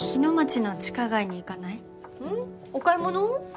お買い物？